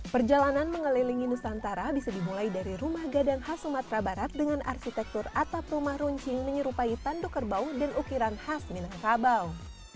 perjalanan mengelilingi nusantara bisa dimulai dari rumah gadang khas sumatera barat dengan arsitektur atap rumah runcing menyerupai tanduk kerbau dan ukiran khas minangkabau